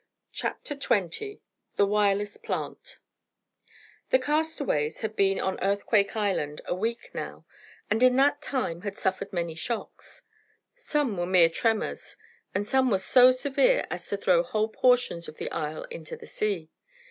CHAPTER XX THE WIRELESS PLANT The castaways had been on Earthquake Island a week now, and in that time had suffered many shocks. Some were mere tremors, and some were so severe as to throw whole portions of the isle into the sea.